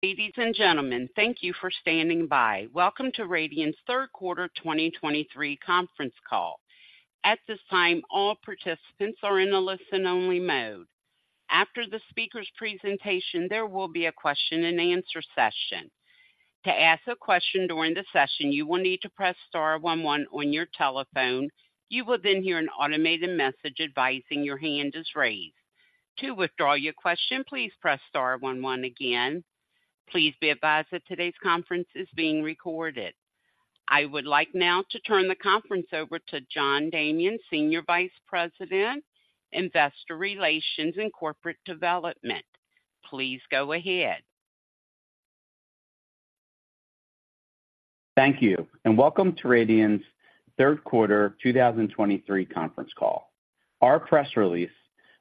Ladies and gentlemen, thank you for standing by. Welcome to Radian's third quarter 2023 Conference Call. At this time, all participants are in a listen-only mode. After the speaker's presentation, there will be a question-and-answer session. To ask a question during the session, you will need to press star one one on your telephone. You will then hear an automated message advising your hand is raised. To withdraw your question, please press star one one again. Please be advised that today's conference is being recorded. I would like now to turn the conference over to John Damian, Senior Vice President, Investor Relations and Corporate Development. Please go ahead. Thank you, and welcome to Radian's third quarter 2023 Conference Call. Our press release,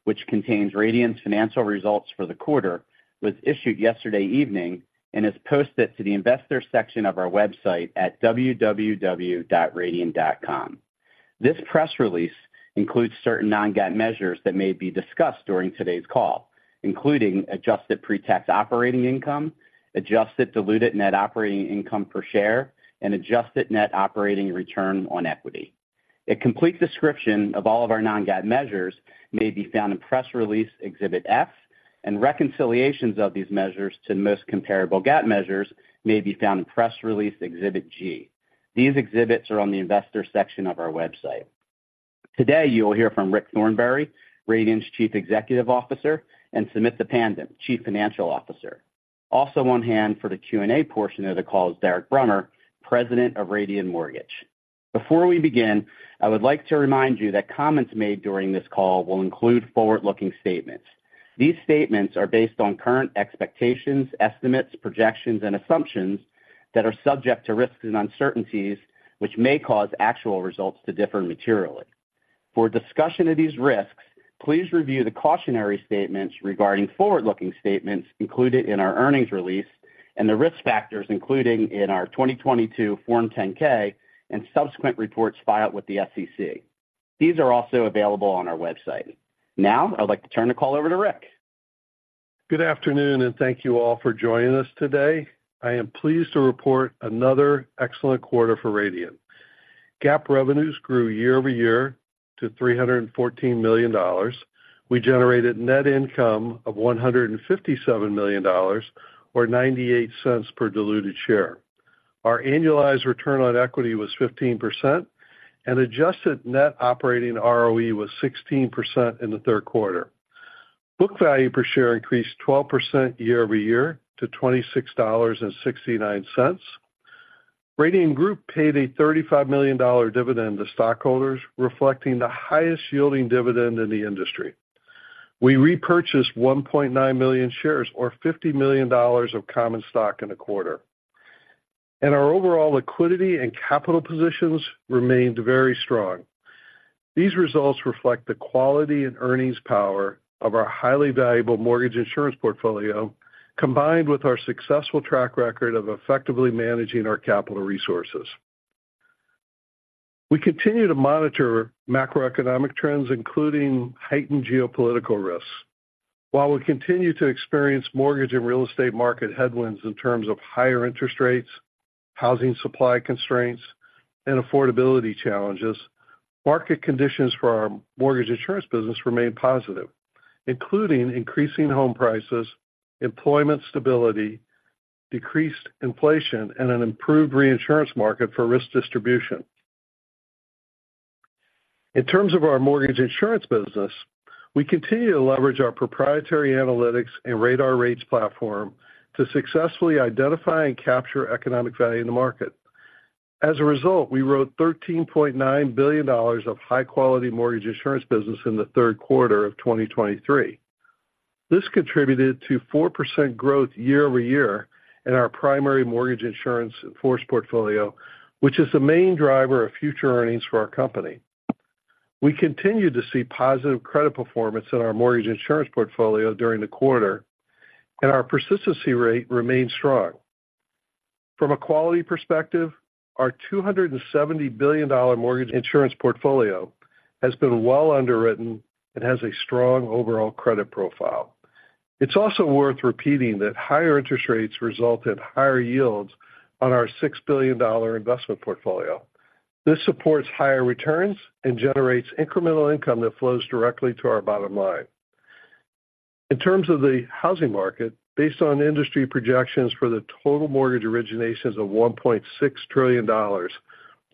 which contains Radian's financial results for the quarter, was issued yesterday evening and is posted to the investor section of our website at www.radian.com. This press release includes certain non-GAAP measures that may be discussed during today's call, including adjusted pre-tax operating income, adjusted diluted net operating income per share, and adjusted net operating return on equity. A complete description of all of our non-GAAP measures may be found in press release Exhibit F, and reconciliations of these measures to the most comparable GAAP measures may be found in press release Exhibit G. These exhibits are on the investor section of our website. Today, you will hear from Rick Thornberry, Radian's Chief Executive Officer, and Sumita Pandit, Chief Financial Officer. Also on hand for the Q&A portion of the call is Derek Brummer, President of Radian Mortgage. Before we begin, I would like to remind you that comments made during this call will include forward-looking statements. These statements are based on current expectations, estimates, projections, and assumptions that are subject to risks and uncertainties, which may cause actual results to differ materially. For a discussion of these risks, please review the cautionary statements regarding forward-looking statements included in our earnings release and the risk factors included in our 2022 Form 10-K and subsequent reports filed with the SEC. These are also available on our website. Now, I'd like to turn the call over to Rick. Good afternoon, and thank you all for joining us today. I am pleased to report another excellent quarter for Radian. GAAP revenues grew year-over-year to $314 million. We generated net income of $157 million or $0.98 per diluted share. Our annualized return on equity was 15%, and adjusted net operating ROE was 16% in the third quarter. Book value per share increased 12% year-over-year to $26.69. Radian Group paid a $35 million dividend to stockholders, reflecting the highest-yielding dividend in the industry. We repurchased 1.9 million shares or $50 million of common stock in a quarter, and our overall liquidity and capital positions remained very strong. These results reflect the quality and earnings power of our highly valuable mortgage insurance portfolio, combined with our successful track record of effectively managing our capital resources. We continue to monitor macroeconomic trends, including heightened geopolitical risks. While we continue to experience mortgage and real estate market headwinds in terms of higher interest rates, housing supply constraints, and affordability challenges, market conditions for our mortgage insurance business remain positive, including increasing home prices, employment stability, decreased inflation, and an improved reinsurance market for risk distribution. In terms of our mortgage insurance business, we continue to leverage our proprietary analytics and Radar Rates platform to successfully identify and capture economic value in the market. As a result, we wrote $13.9 billion of high-quality mortgage insurance business in the third quarter of 2023. This contributed to 4% growth year-over-year in our primary mortgage insurance in force portfolio, which is the main driver of future earnings for our company. We continue to see positive credit performance in our mortgage insurance portfolio during the quarter, and our persistency rate remains strong. From a quality perspective, our $270 billion mortgage insurance portfolio has been well underwritten and has a strong overall credit profile. It's also worth repeating that higher interest rates result in higher yields on our $6 billion investment portfolio. This supports higher returns and generates incremental income that flows directly to our bottom line. In terms of the housing market, based on industry projections for the total mortgage originations of $1.6 trillion,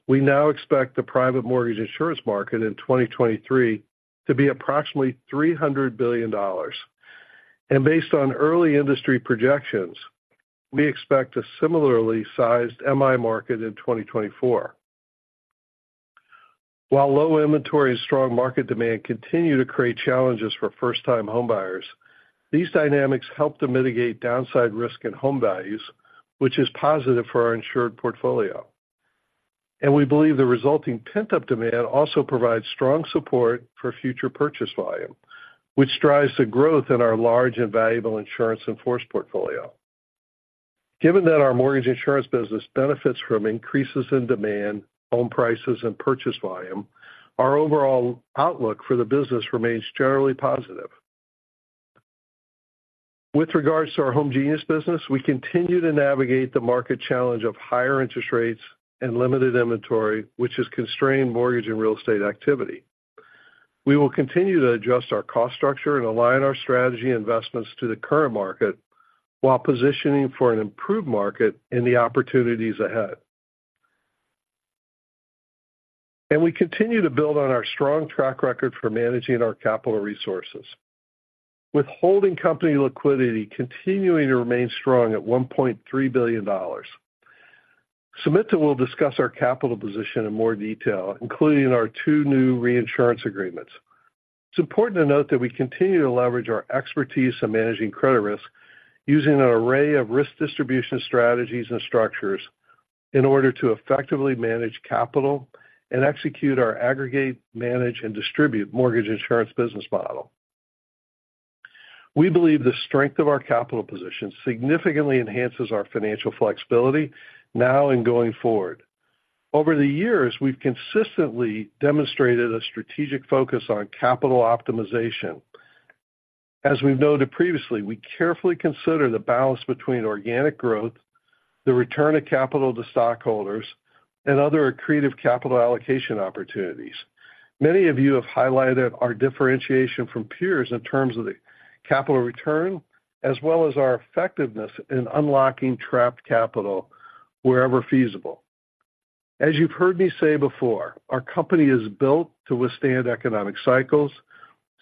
we now expect the private mortgage insurance market in 2023 to be approximately $300 billion. Based on early industry projections, we expect a similarly sized MI market in 2024. While low inventory and strong market demand continue to create challenges for first-time homebuyers, these dynamics help to mitigate downside risk in home values, which is positive for our insured portfolio. We believe the resulting pent-up demand also provides strong support for future purchase volume, which drives the growth in our large and valuable insurance in-force portfolio.... Given that our mortgage insurance business benefits from increases in demand, home prices, and purchase volume, our overall outlook for the business remains generally positive. With regards to our Homegenius business, we continue to navigate the market challenge of higher interest rates and limited inventory, which has constrained mortgage and real estate activity. We will continue to adjust our cost structure and align our strategy investments to the current market, while positioning for an improved market and the opportunities ahead. We continue to build on our strong track record for managing our capital resources, with holding company liquidity continuing to remain strong at $1.3 billion. Sumita will discuss our capital position in more detail, including our two new reinsurance agreements. It's important to note that we continue to leverage our expertise in managing credit risk, using an array of risk distribution strategies and structures in order to effectively manage capital and execute our aggregate, manage, and distribute mortgage insurance business model. We believe the strength of our capital position significantly enhances our financial flexibility now and going forward. Over the years, we've consistently demonstrated a strategic focus on capital optimization. As we've noted previously, we carefully consider the balance between organic growth, the return of capital to stockholders, and other accretive capital allocation opportunities. Many of you have highlighted our differentiation from peers in terms of the capital return, as well as our effectiveness in unlocking trapped capital wherever feasible. As you've heard me say before, our company is built to withstand economic cycles,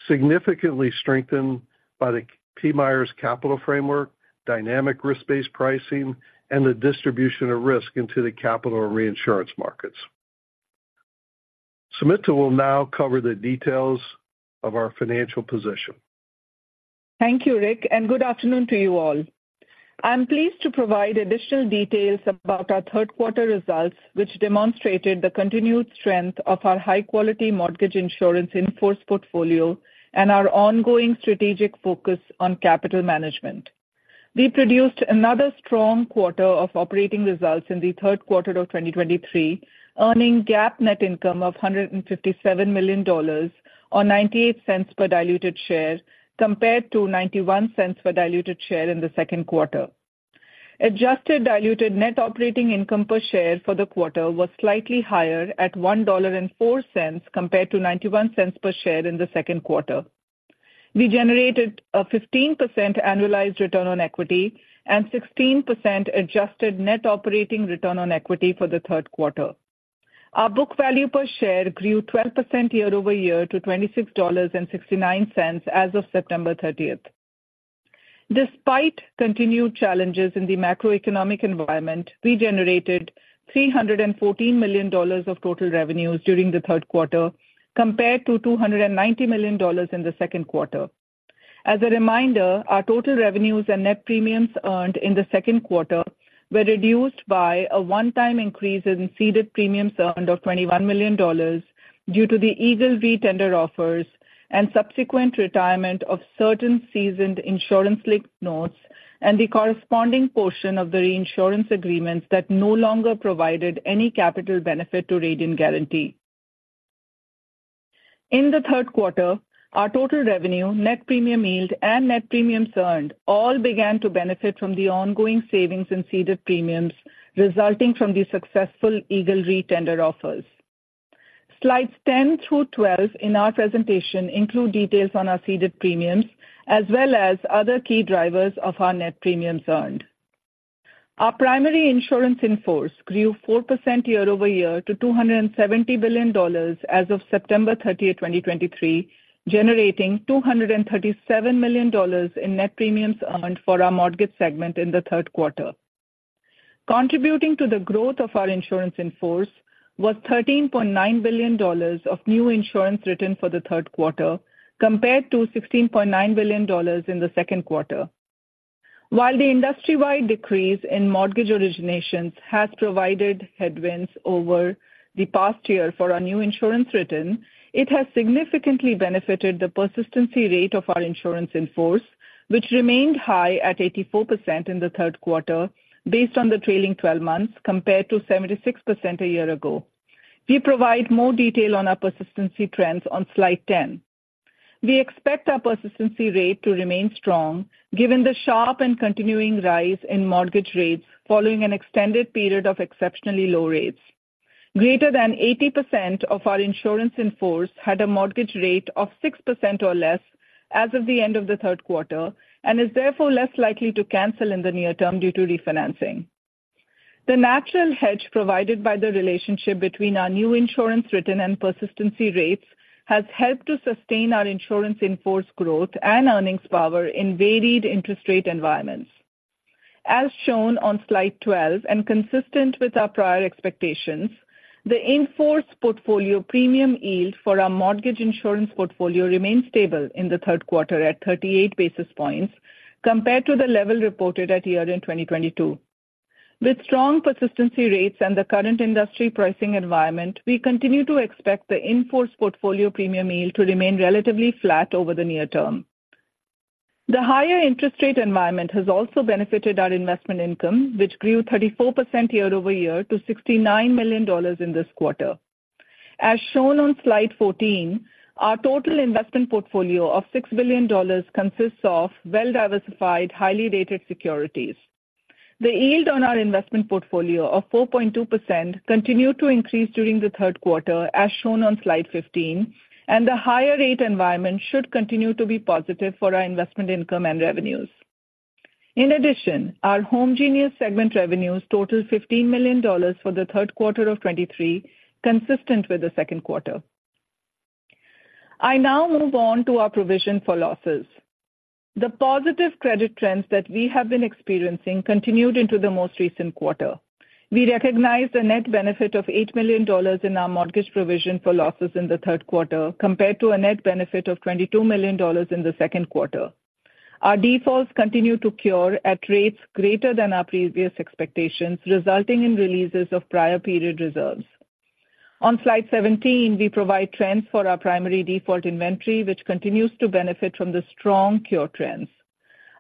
significantly strengthened by the PMIERs capital framework, dynamic risk-based pricing, and the distribution of risk into the capital and reinsurance markets. Sumita will now cover the details of our financial position. Thank you, Rick, and good afternoon to you all. I'm pleased to provide additional details about our third quarter results, which demonstrated the continued strength of our high-quality mortgage insurance in-force portfolio and our ongoing strategic focus on capital management. We produced another strong quarter of operating results in the third quarter of 2023, earning GAAP net income of $157 million, or $0.98 per diluted share, compared to $0.91 per diluted share in the Q2. Adjusted diluted net operating income per share for the quarter was slightly higher at $1.04, compared to $0.91 per share in the Q2. We generated a 15% annualized return on equity and 16% adjusted net operating return on equity for the third quarter. Our book value per share grew 12% year-over-year to $26.69 as of September 30. Despite continued challenges in the macroeconomic environment, we generated $314 million of total revenues during the third quarter, compared to $290 million in the Q2. As a reminder, our total revenues and net premiums earned in the Q2 were reduced by a one-time increase in ceded premiums earned of $21 million due to the Eagle Re tender offers and subsequent retirement of certain seasoned insurance-linked notes, and the corresponding portion of the reinsurance agreements that no longer provided any capital benefit to Radian Guaranty. In the third quarter, our total revenue, net premium yield, and net premiums earned all began to benefit from the ongoing savings in ceded premiums, resulting from the successful Eagle Re tender offers. Slides 10 through 12 in our presentation include details on our ceded premiums, as well as other key drivers of our net premiums earned. Our primary insurance in force grew 4% year-over-year to $270 billion as of September 30, 2023, generating $237 million in net premiums earned for our mortgage segment in the third quarter. Contributing to the growth of our insurance in force was $13.9 billion of new insurance written for the third quarter, compared to $16.9 billion in the Q2. While the industry-wide decrease in mortgage originations has provided headwinds over the past year for our new insurance written, it has significantly benefited the persistency rate of our insurance in force, which remained high at 84% in the third quarter, based on the traILNg twelve months, compared to 76% a year ago. We provide more detail on our persistency trends on slide 10. We expect our persistency rate to remain strong, given the sharp and continuing rise in mortgage rates following an extended period of exceptionally low rates. Greater than 80% of our insurance in force had a mortgage rate of 6% or less as of the end of the third quarter, and is therefore less likely to cancel in the near term due to refinancing. The natural hedge provided by the relationship between our new insurance written and persistency rates has helped to sustain our insurance in-force growth and earnings power in varied interest rate environments. As shown on slide 12, and consistent with our prior expectations, the in-force portfolio premium yield for our mortgage insurance portfolio remains stable in the third quarter at 38 basis points compared to the level reported at year-end 2022.... With strong persistency rates and the current industry pricing environment, we continue to expect the in-force portfolio premium yield to remain relatively flat over the near term. The higher interest rate environment has also benefited our investment income, which grew 34% year-over-year to $69 million in this quarter. As shown on slide 14, our total investment portfolio of $6 billion consists of well-diversified, highly rated securities. The yield on our investment portfolio of 4.2% continued to increase during the third quarter, as shown on slide 15, and the higher rate environment should continue to be positive for our investment income and revenues. In addition, our Homegenius segment revenues totaled $15 million for the third quarter of 2023, consistent with the Q2. I now move on to our provision for losses. The positive credit trends that we have been experiencing continued into the most recent quarter. We recognized a net benefit of $8 million in our mortgage provision for losses in the third quarter, compared to a net benefit of $22 million in the Q2. Our defaults continue to cure at rates greater than our previous expectations, resulting in releases of prior period reserves. On slide 17, we provide trends for our primary default inventory, which continues to benefit from the strong cure trends.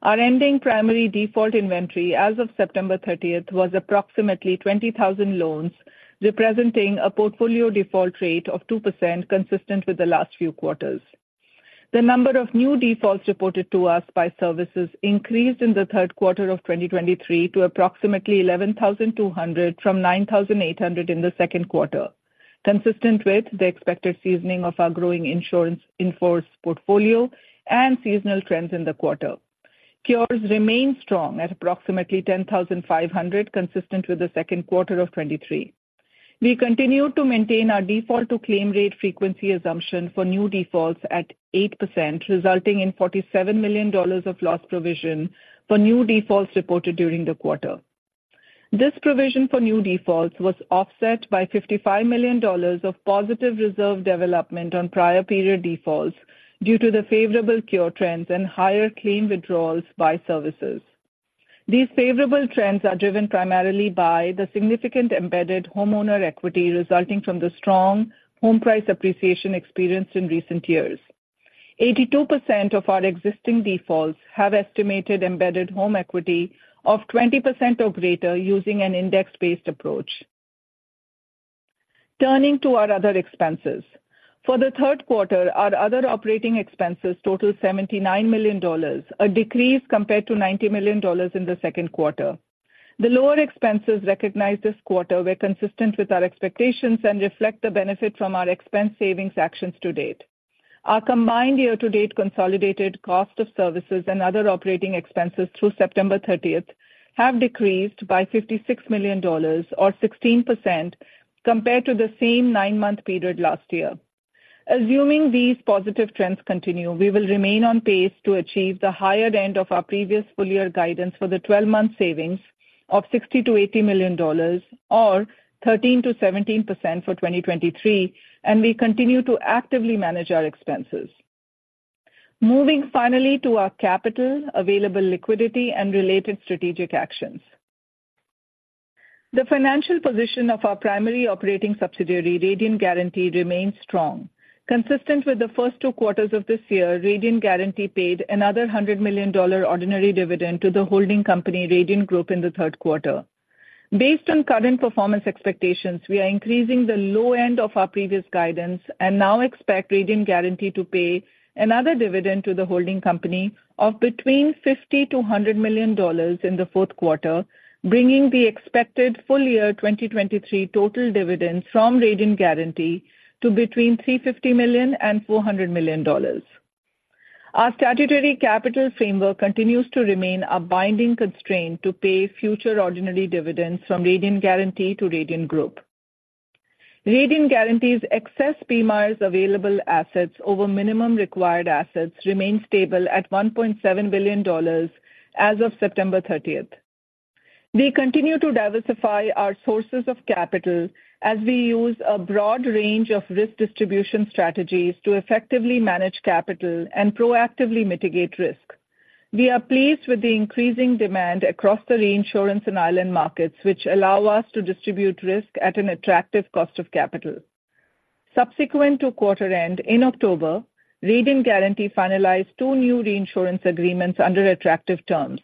Our ending primary default inventory as of September 30th, was approximately 20,000 loans, representing a portfolio default rate of 2%, consistent with the last few quarters. The number of new defaults reported to us by servicers increased in the third quarter of 2023 to approximately 11,200 from 9,800 in the Q2, consistent with the expected seasoning of our growing insurance in-force portfolio and seasonal trends in the quarter. Cures remain strong at approximately 10,500, consistent with the Q2 of 2023. We continue to maintain our default to claim rate frequency assumption for new defaults at 8%, resulting in $47 million of loss provision for new defaults reported during the quarter. This provision for new defaults was offset by $55 million of positive reserve development on prior period defaults due to the favorable cure trends and higher claim withdrawals by services. These favorable trends are driven primarily by the significant embedded homeowner equity resulting from the strong home price appreciation experienced in recent years. 82% of our existing defaults have estimated embedded home equity of 20% or greater, using an index-based approach. Turning to our other expenses. For the third quarter, our other operating expenses totaled $79 million, a decrease compared to $90 million in the Q2. The lower expenses recognized this quarter were consistent with our expectations and reflect the benefit from our expense savings actions to date. Our combined year-to-date consolidated cost of services and other operating expenses through September 30 have decreased by $56 million or 16% compared to the same nine-month period last year. Assuming these positive trends continue, we will remain on pace to achieve the higher end of our previous full year guidance for the twelve-month savings of $60 million-$80 million or 13%-17% for 2023, and we continue to actively manage our expenses. Moving finally to our capital, available liquidity and related strategic actions. The financial position of our primary operating subsidiary, Radian Guaranty, remains strong. Consistent with the first two quarters of this year, Radian Guaranty paid another $100 million ordinary dividend to the holding company, Radian Group, in the third quarter. Based on current performance expectations, we are increasing the low end of our previous guidance and now expect Radian Guaranty to pay another dividend to the holding company of between $50-$100 million in the Q4, bringing the expected full year 2023 total dividends from Radian Guaranty to between $350 million and $400 million. Our statutory capital framework continues to remain a binding constraint to pay future ordinary dividends from Radian Guaranty to Radian Group. Radian Guaranty's excess PMIERs available assets over minimum required assets remain stable at $1.7 billion as of September 30th. We continue to diversify our sources of capital as we use a broad range of risk distribution strategies to effectively manage capital and proactively mitigate risk. We are pleased with the increasing demand across the reinsurance and ILN markets, which allow us to distribute risk at an attractive cost of capital. Subsequent to quarter end, in October, Radian Guaranty finalized two new reinsurance agreements under attractive terms.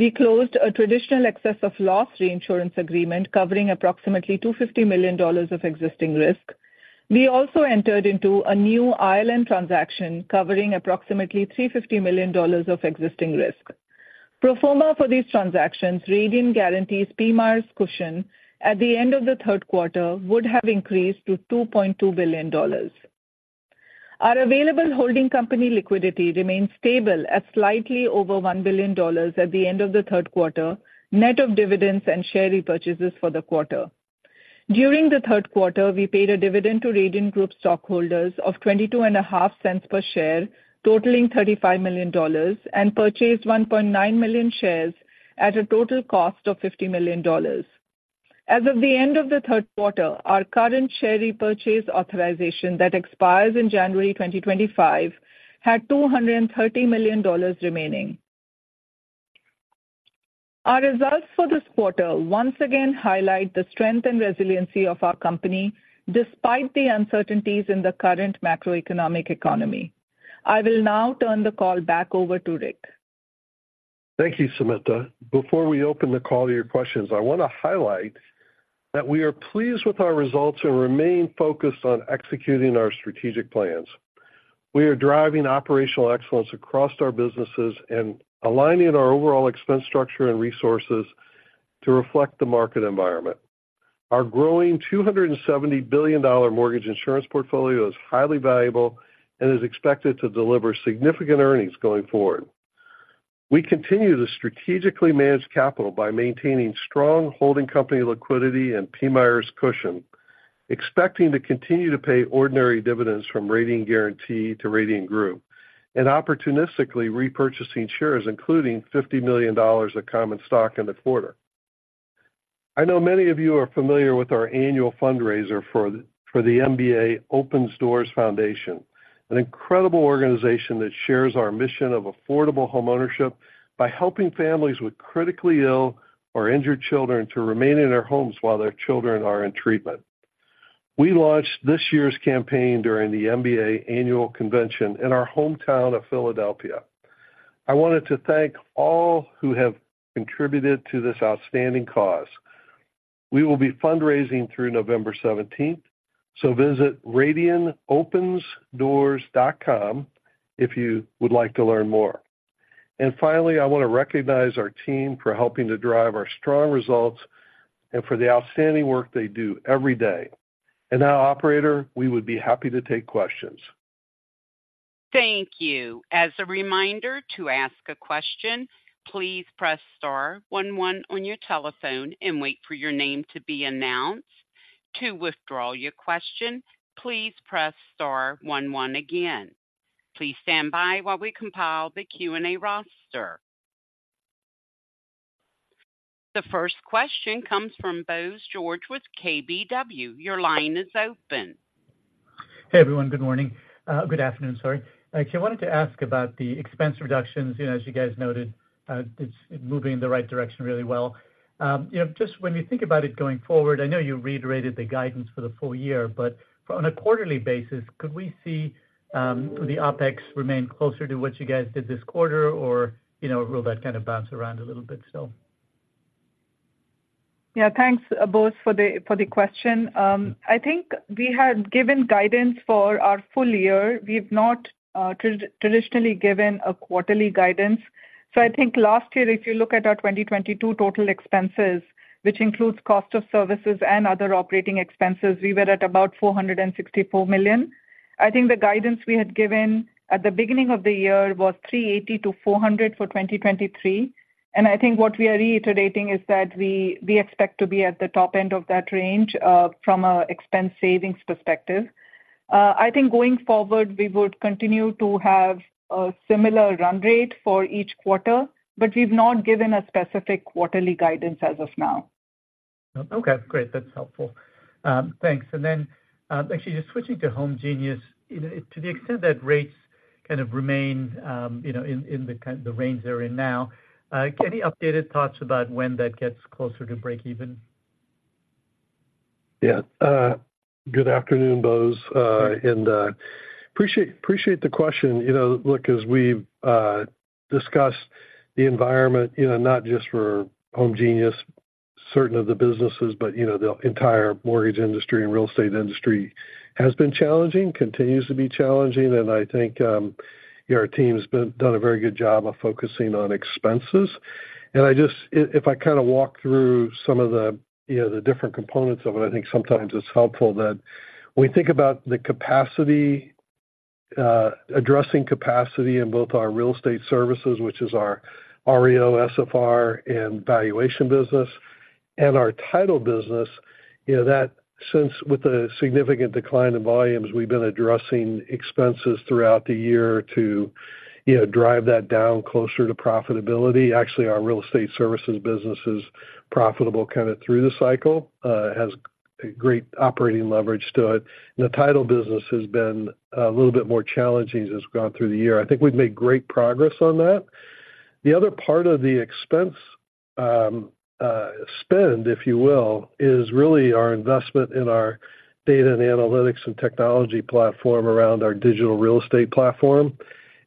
We closed a traditional excess of loss reinsurance agreement covering approximately $250 million of existing risk. We also entered into a new ILN transaction covering approximately $350 million of existing risk. Pro forma for these transactions, Radian Guaranty's PMIERs cushion at the end of the third quarter would have increased to $2.2 billion. Our available holding company liquidity remains stable at slightly over $1 billion at the end of the third quarter, net of dividends and share repurchases for the quarter. During the third quarter, we paid a dividend to Radian Group stockholders of $0.225 per share, totaling $35 million, and purchased 1.9 million shares at a total cost of $50 million. As of the end of the third quarter, our current share repurchase authorization that expires in January 2025 had $230 million remaining. Our results for this quarter once again highlight the strength and resiliency of our company, despite the uncertainties in the current macroeconomic economy. I will now turn the call back over to Rick. Thank you, Sumita. Before we open the call to your questions, I want to highlight that we are pleased with our results and remain focused on executing our strategic plans. We are driving operational excellence across our businesses and aligning our overall expense structure and resources to reflect the market environment. Our growing $270 billion mortgage insurance portfolio is highly valuable and is expected to deliver significant earnings going forward. We continue to strategically manage capital by maintaining strong holding company liquidity and PMIERs cushion, expecting to continue to pay ordinary dividends from Radian Guaranty to Radian Group, and opportunistically repurchasing shares, including $50 million of common stock in the quarter. I know many of you are familiar with our annual fundraiser for the MBA Opens Doors Foundation, an incredible organization that shares our mission of affordable homeownership by helping families with critically ill or injured children to remain in their homes while their children are in treatment. We launched this year's campaign during the MBA annual convention in our hometown of Philadelphia. I wanted to thank all who have contributed to this outstanding cause. We will be fundraising through November 17th, so visit radianopensdoors.com if you would like to learn more. Finally, I want to recognize our team for helping to drive our strong results and for the outstanding work they do every day. Now, operator, we would be happy to take questions. Thank you. As a reminder, to ask a question, please press star one one on your telephone and wait for your name to be announced. To withdraw your question, please press star one one again. Please stand by while we compile the Q&A roster. The first question comes from Bose George with KBW. Your line is open. Hey, everyone. Good morning. Good afternoon, sorry. I actually wanted to ask about the expense reductions. You know, as you guys noted, it's moving in the right direction really well. You know, just when you think about it going forward, I know you reiterated the guidance for the full year, but on a quarterly basis, could we see, the OpEx remain closer to what you guys did third quarter? Or, you know, will that kind of bounce around a little bit still? Yeah. Thanks, Bose, for the, for the question. I think we had given guidance for our full year. We've not traditionally given a quarterly guidance. So I think last year, if you look at our 2022 total expenses, which includes cost of services and other operating expenses, we were at about $464 million. I think the guidance we had given at the beginning of the year was $380-$400 for 2023. And I think what we are reiterating is that we, we expect to be at the top end of that range, from a expense savings perspective. I think going forward, we would continue to have a similar run rate for each quarter, but we've not given a specific quarterly guidance as of now. Okay, great. That's helpful. Thanks. And then, actually just switching to Homegenius. To the extent that rates kind of remain, you know, in, in the kind, the range they're in now, any updated thoughts about when that gets closer to breakeven? Yeah. Good afternoon, Bose, and appreciate, appreciate the question. You know, look, as we've discussed the environment, you know, not just for Homegenius, certain of the businesses, but, you know, the entire mortgage industry and real estate industry has been challenging, continues to be challenging. I think, you know, our team has been-- done a very good job of focusing on expenses. I just... If I kind of walk through some of the, you know, the different components of it, I think sometimes it's helpful that when we think about the capacity, addressing capacity in both our real estate services, which is our REO, SFR, and valuation business, and our title business, you know, that since with the significant decline in volumes, we've been addressing expenses throughout the year to, you know, drive that down closer to profitability. Actually, our real estate services business is profitable kind of through the cycle, has a great operating leverage to it. The title business has been a little bit more challenging as we've gone through the year. I think we've made great progress on that. The other part of the expense, spend, if you will, is really our investment in our data and analytics and technology platform around our digital real estate platform.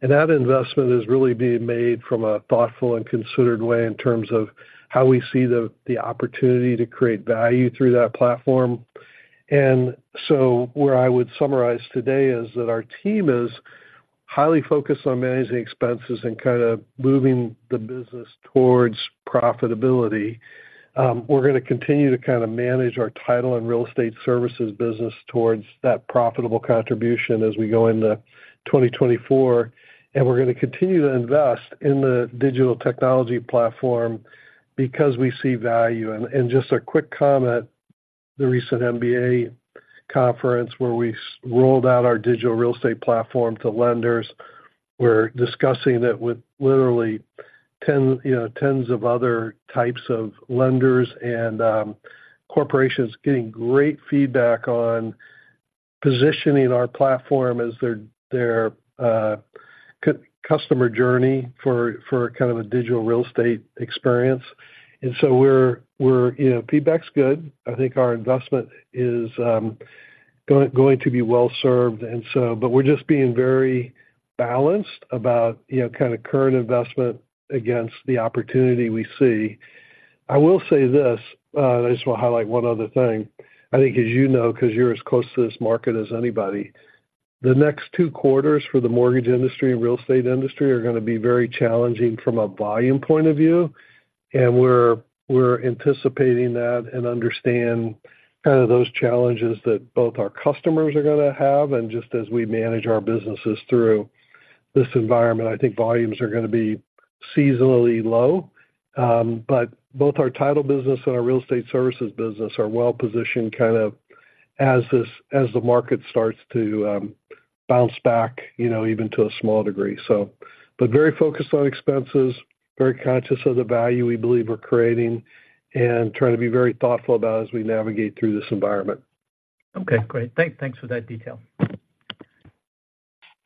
And that investment is really being made from a thoughtful and considered way in terms of how we see the opportunity to create value through that platform. And so where I would summarize today is that our team is highly focused on managing expenses and kind of moving the business towards profitability. We're going to continue to kind of manage our title and real estate services business towards that profitable contribution as we go into 2024. And we're going to continue to invest in the digital technology platform because we see value. And just a quick comment, the recent MBA conference where we rolled out our digital real estate platform to lenders. We're discussing it with literally ten, you know, tens of other types of lenders and corporations, getting great feedback on positioning our platform as their customer journey for kind of a digital real estate experience. And so we're, you know, feedback's good. I think our investment is going to be well served, and so but we're just being very balanced about, you know, kind of current investment against the opportunity we see. I will say this; I just want to highlight one other thing. I think, as you know, cause you're as close to this market as anybody, the next two quarters for the mortgage industry and real estate industry are going to be very challenging from a volume point of view, and we're anticipating that and understand kind of those challenges that both our customers are going to have and just as we manage our businesses through this environment. I think volumes are going to be seasonally low. But both our title business and our real estate services business are well positioned, kind of as the market starts to bounce back, you know, even to a small degree so. But very focused on expenses, very conscious of the value we believe we're creating, and trying to be very thoughtful about as we navigate through this environment. Okay, great. Thanks for that detail. Yeah.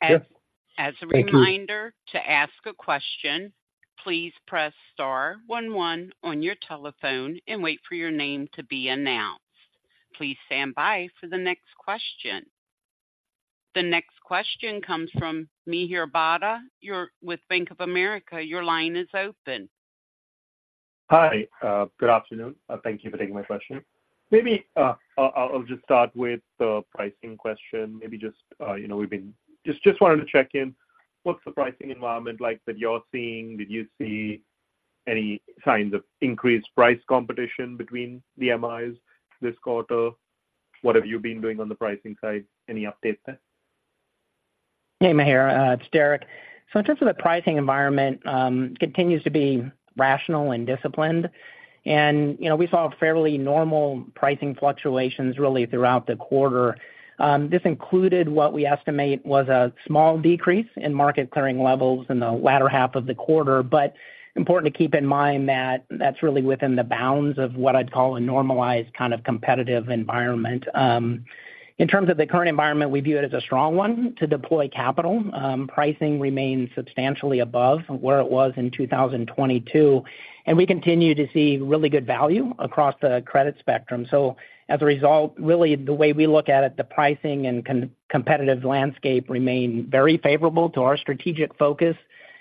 Thank you. As a reminder, to ask a question, please press star one one on your telephone and wait for your name to be announced. Please stand by for the next question. The next question comes from Mihir Bhatia. You're with Bank of America. Your line is open. Hi, good afternoon. Thank you for taking my question. Maybe I'll just start with the pricing question. Maybe just, you know, just wanted to check in. What's the pricing environment like that you're seeing? Did you see any signs of increased price competition between the MIs this quarter? What have you been doing on the pricing side? Any updates there? Hey, Mihir, it's Derek. So in terms of the pricing environment, continues to be rational and disciplined. And, you know, we saw fairly normal pricing fluctuations really throughout the quarter. This included what we estimate was a small decrease in market clearing levels in the latter half of the quarter. But important to keep in mind that that's really within the bounds of what I'd call a normalized kind of competitive environment. In terms of the current environment, we view it as a strong one to deploy capital. Pricing remains substantially above where it was in 2022, and we continue to see really good value across the credit spectrum. So as a result, really, the way we look at it, the pricing and competitive landscape remain very favorable to our strategic focus,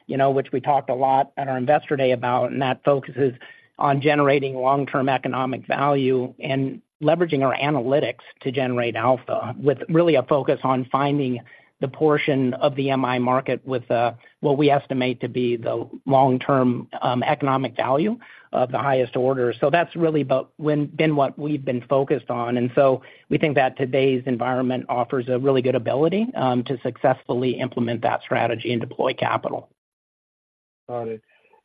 you know, which we talked a lot at our Investor Day about, and that focuses on generating long-term economic value and leveraging our analytics to generate alpha, with really a focus on finding the portion of the MI market with what we estimate to be the long-term economic value of the highest order. So that's really about what we've been focused on. And so we think that today's environment offers a really good ability to successfully implement that strategy and deploy capital. Got it.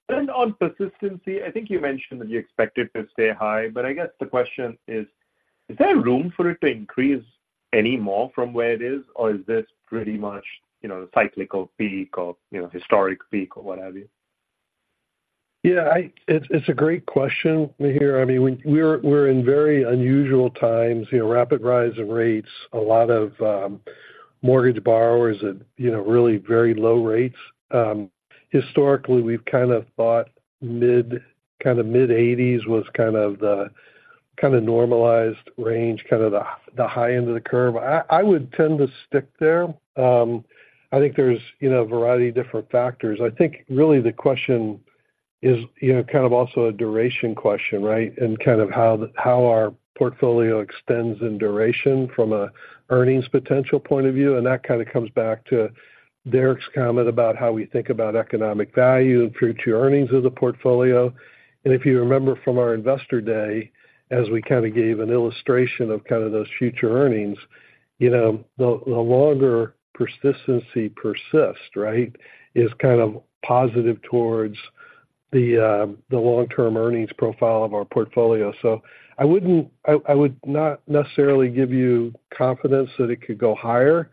Then on persistency, I think you mentioned that you expect it to stay high, but I guess the question is: Is there room for it to increase any more from where it is? Or is this pretty much, you know, a cyclical peak or, you know, historic peak or what have you? Yeah, it's a great question, Mihir. I mean, we're in very unusual times, you know, rapid rise in rates, a lot of mortgage borrowers at, you know, really very low rates. Historically, we've kind of thought mid-, kind of mid-80s was kind of the normalized range, kind of the high end of the curve. I would tend to stick there. I think there's, you know, a variety of different factors. I think really the question is, you know, kind of also a duration question, right? And kind of how the, how our portfolio extends in duration from a earnings potential point of view, and that kind of comes back to Derek's comment about how we think about economic value and future earnings of the portfolio. If you remember from our Investor Day, as we kind of gave an illustration of kind of those future earnings, you know, the longer persistency persists, right, is kind of positive towards the long-term earnings profile of our portfolio. So I wouldn't—I would not necessarily give you confidence that it could go higher,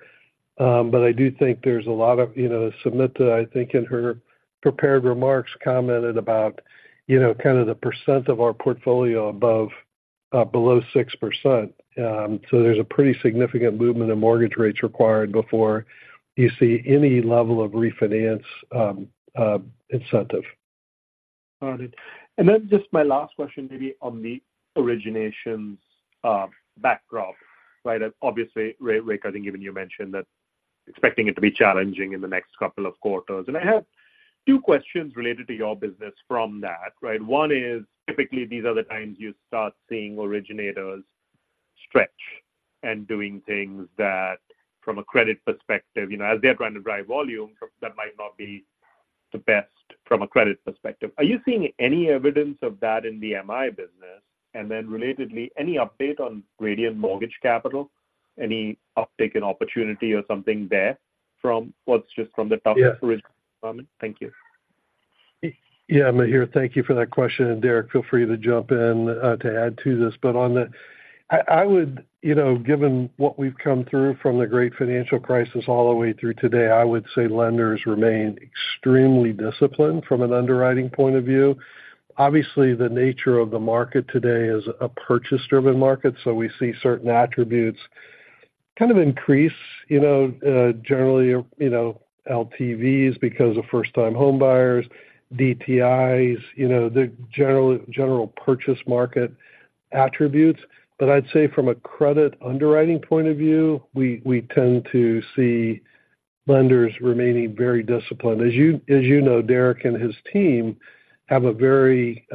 but I do think there's a lot of... You know, Sumita, I think in her prepared remarks, commented about, you know, kind of the percent of our portfolio above, below 6%. So there's a pretty significant movement in mortgage rates required before you see any level of refinance incentive. Got it. And then just my last question, maybe on the originations, backdrop, right? Obviously, Rick, I think even you mentioned that expecting it to be challenging in the next couple of quarters. And I have two questions related to your business from that, right? One is, typically, these are the times you start seeing originators stretch and doing things that, from a credit perspective, you know, as they're trying to drive volume, that might not be the best from a credit perspective. Are you seeing any evidence of that in the MI business? And then relatedly, any update on Radian Mortgage Capital? Any uptick in opportunity or something there from what's just from the top? Yeah. Thank you.... Yeah, Mihir, thank you for that question. And Derek, feel free to jump in to add to this. But I would, you know, given what we've come through from the great financial crisis all the way through today, I would say lenders remain extremely disciplined from an underwriting point of view. Obviously, the nature of the market today is a purchase-driven market, so we see certain attributes kind of increase, you know, generally, you know, LTVs because of first-time homebuyers, DTIs, you know, the general, general purchase market attributes. But I'd say from a credit underwriting point of view, we, we tend to see lenders remaining very disciplined. As you know, Derek and his team have a very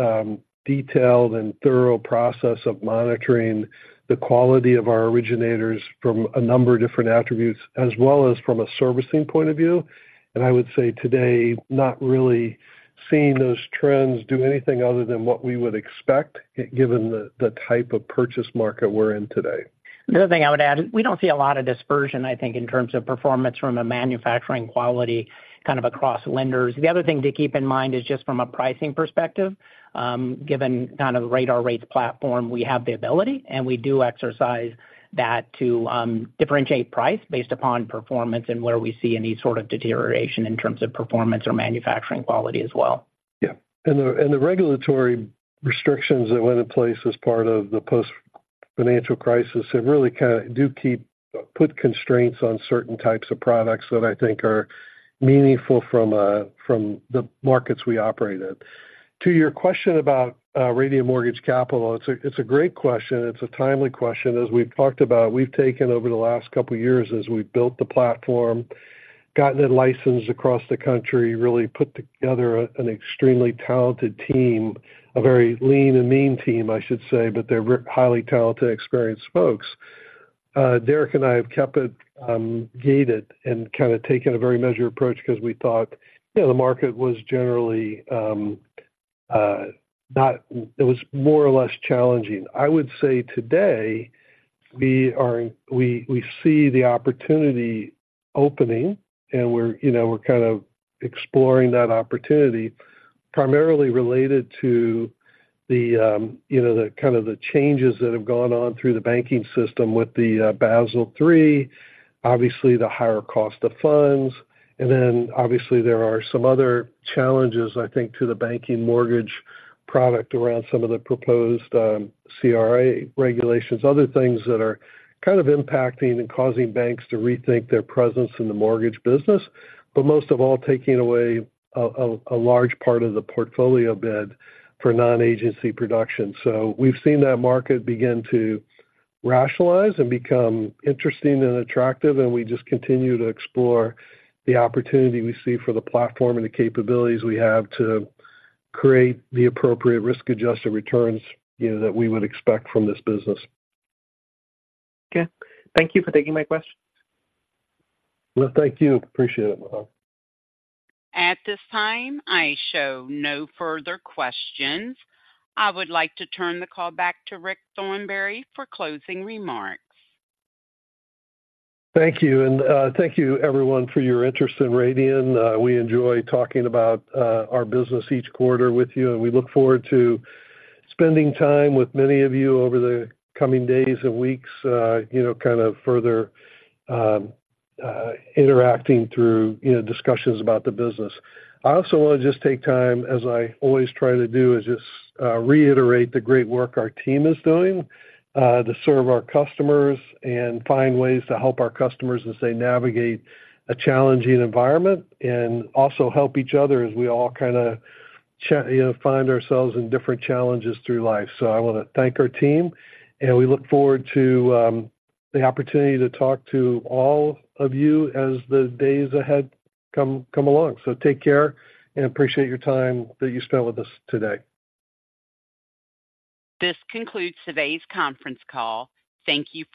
detailed and thorough process of monitoring the quality of our originators from a number of different attributes, as well as from a servicing point of view. I would say today, not really seeing those trends do anything other than what we would expect, given the type of purchase market we're in today. The other thing I would add, we don't see a lot of dispersion, I think, in terms of performance from a manufacturing quality, kind of across lenders. The other thing to keep in mind is just from a pricing perspective, given kind of the Radar Rates platform, we have the ability, and we do exercise that to, differentiate price based upon performance and where we see any sort of deterioration in terms of performance or manufacturing quality as well. Yeah. And the regulatory restrictions that went in place as part of the post-financial crisis, it really kind of put constraints on certain types of products that I think are meaningful from the markets we operate in. To your question about Radian Mortgage Capital, it's a great question. It's a timely question. As we've talked about, we've taken over the last couple of years as we've built the platform, gotten it licensed across the country, really put together an extremely talented team, a very lean and mean team, I should say, but they're highly talented, experienced folks. Derek and I have kept it gated and kind of taken a very measured approach because we thought, you know, the market was generally it was more or less challenging. I would say today, we see the opportunity opening and we're, you know, we're kind of exploring that opportunity, primarily related to the, you know, the kind of the changes that have gone on through the banking system with the Basel III, obviously, the higher cost of funds. And then, obviously, there are some other challenges, I think, to the banking mortgage product around some of the proposed CRA regulations, other things that are kind of impacting and causing banks to rethink their presence in the mortgage business, but most of all, taking away a large part of the portfolio bid for non-agency production. We've seen that market begin to rationalize and become interesting and attractive, and we just continue to explore the opportunity we see for the platform and the capabilities we have to create the appropriate risk-adjusted returns, you know, that we would expect from this business. Okay. Thank you for taking my questions. Well, thank you. Appreciate it, Mihir. At this time, I show no further questions. I would like to turn the call back to Rick Thornberry for closing remarks. Thank you. And thank you everyone for your interest in Radian. We enjoy talking about, our business each quarter with you, and we look forward to spending time with many of you over the coming days and weeks, you know, kind of further, interacting through, you know, discussions about the business. I also want to just take time, as I always try to do, is just, reiterate the great work our team is doing, to serve our customers and find ways to help our customers as they navigate a challenging environment, and also help each other as we all kind of you know, find ourselves in different challenges through life. So I want to thank our team, and we look forward to, the opportunity to talk to all of you as the days ahead come, come along. Take care and appreciate your time that you spent with us today. This concludes today's conference call. Thank you for-